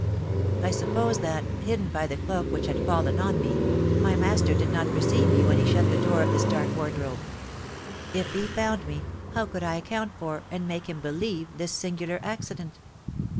I suppose that, hidden by the cloak which had fallen on me, my master did not perceive me when he shut the door of this dark wardrobe. If he found me, how could I account for, and make him believe, this singular accident?